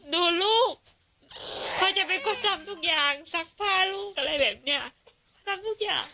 ดูลูกเขาจะไปกดทำทุกอย่างซักผ้าลูกอะไรแบบเนี้ยซักทุกอย่าง